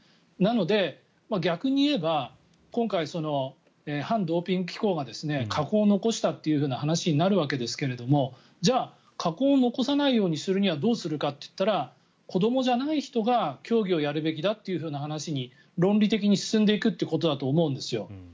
なので逆に言えば今回、反ドーピング機構が禍根を残したという話になるんですけどじゃあ、禍根を残さないようにするにはどうするかと言ったら子どもじゃない人が競技をやるべきだという話に論理的に進んでいくということだと思うんですよ。